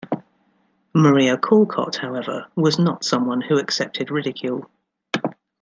Maria Callcott, however, was not someone who accepted ridicule.